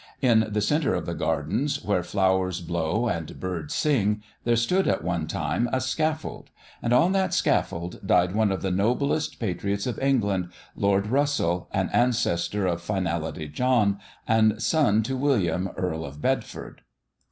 In the centre of the gardens, where flowers blow and birds sing, there stood at one time a scaffold; and on that scaffold died one of the noblest patriots of England, Lord Russell, an ancestor of Finality John, and son to William, Earl of Bedford.